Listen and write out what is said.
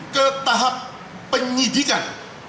ke tahap penyidikan